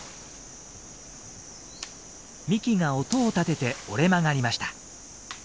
幹が音を立てて折れ曲がりました。